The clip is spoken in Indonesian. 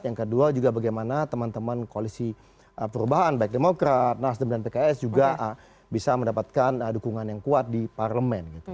yang kedua juga bagaimana teman teman koalisi perubahan baik demokrat nasdem dan pks juga bisa mendapatkan dukungan yang kuat di parlemen